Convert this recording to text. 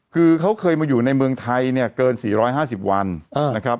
คือเขาเคยมาอยู่ในเมืองไทยเนี่ยเกิน๔๕๐วันนะครับ